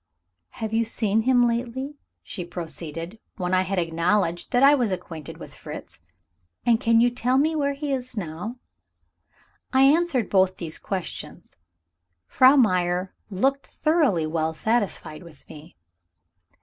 "Have you seen him lately?" she proceeded, when I had acknowledged that I was acquainted with Fritz. "And can you tell me where he is now?" I answered both these questions. Frau Meyer looked thoroughly well satisfied with me.